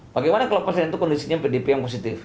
bagaimana kalau pasien itu kondisinya pdp yang positif